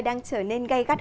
đang trở nên gây gắt